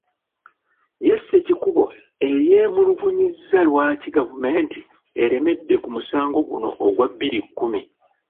Ye Ssekikubo yeemulugunyizza lwaki gavumenti eremedde ku musango guno ogwa bbiri kkumi.